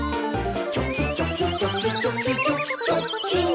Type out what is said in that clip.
「チョキチョキチョキチョキチョキチョッキン！」